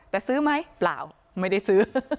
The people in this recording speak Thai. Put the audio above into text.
แต่ซื้อไหมเปล่าไม่ได้ซื้อ